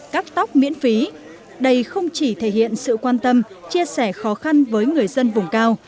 cắt tóc miễn phí đây không chỉ thể hiện sự quan tâm chia sẻ khó khăn với người dân vùng cao